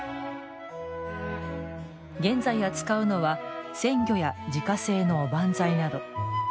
現在扱うのは、鮮魚や自家製のおばんざいなど。